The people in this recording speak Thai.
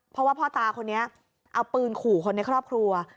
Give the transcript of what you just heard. เพราะว่าพ่อตาคนนี้เอาปืนขู่คนในครอบครัว